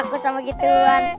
takut sama gituan